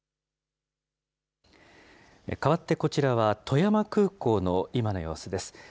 かわってこちらは、富山空港の今の様子です。